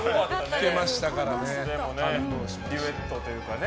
デュエットというかね。